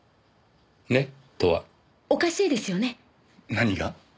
何が？